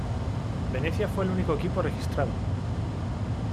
Venezia fue el único equipo registrado.